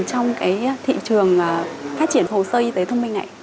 trong cái thị trường phát triển hồ sơ y tế thông minh này